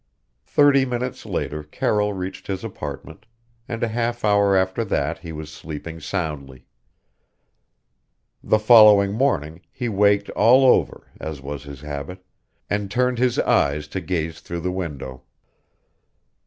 Thirty minutes later Carroll reached his apartment, and a half hour after that he was sleeping soundly. The following morning he waked "all over," as was his habit, and turned his eyes to gaze through the window.